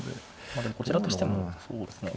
まあでもこちらとしてもそうですね。